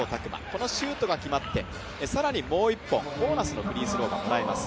このシュートが決まって更にもう一本、ボーナスのフリースローがもらえます。